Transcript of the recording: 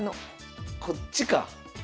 こっちか。